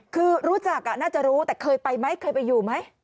คือรู้จักน่าจะรู้แต่เคยไปไหมเคยไปอยู่ไหม